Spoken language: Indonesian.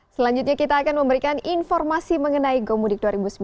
selanjutnya kita akan memberikan informasi mengenai gomudik dua ribu sembilan belas